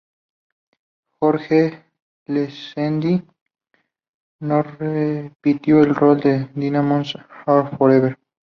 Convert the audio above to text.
George Lazenby no repitió el rol en "Diamonds Are Forever".